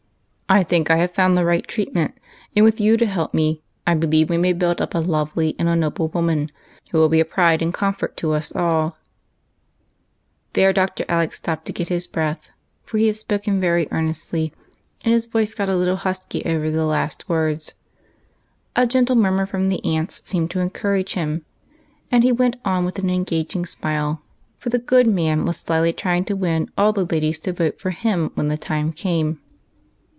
I think I have found the right treatment, and, with you to help me, I be lieve we may build up a lovely and a noble woman, who will be a pride and comfort to us all." 286 EIGHT COUSINS. There Dr. Alec stopped to get his breath, for he had spoken very earnestly, and his voice got a little husky over the last words. A gentle murmur from the aunts seemed to encourage him, and he went on with an engaging smile, for the good man was slyly trying to win all the ladies to vote for him when the time came.